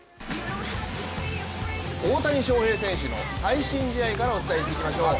大谷翔平選手の最新試合からお伝えしていきましょう。